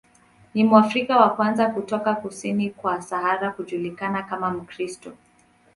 Ni Mwafrika wa kwanza kutoka kusini kwa Sahara kujulikana kama Mkristo.